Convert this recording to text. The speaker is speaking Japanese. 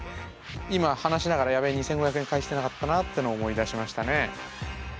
今話しながら「やべぇ２，５００円返してなかったな」ってのを思い出しましたね。